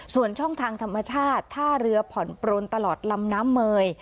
ส่วนช่องทางธรรมชาติท่าเรือผ่อนปลนตลอดลำน้ำเมย